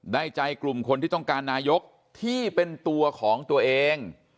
ได้ใจกลุ่มคนที่ต้องการนายกที่เป็นตัวของตัวเอง